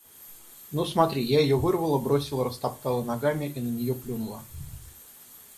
Ну, смотри: я ее вырвала, бросила, растоптала ногами и на нее плюнула.